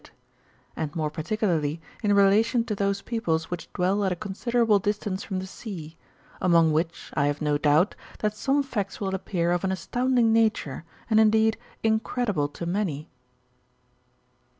121 and more particularly, in relation to those peoples which dwell at a considerable distance from the sea ;''^^ among which, I have no doubt, that some facts will appear of an astounding nature, and, indeed, incredible to many.